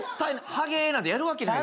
「ハゲー！」なんてやるわけない。